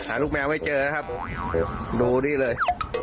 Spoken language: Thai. ลูกแมวไม่เจอนะครับดูนี่เลย